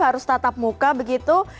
harus tatap muka begitu